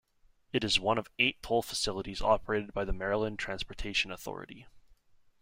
It is one of eight toll facilities operated by the Maryland Transportation Authority.